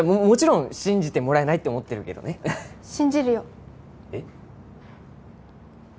もちろん信じてもらえないって思ってるけどね信じるよえっ？